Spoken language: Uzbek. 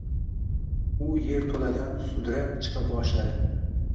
U yerto‘ladan sudrab chiqa boshladi.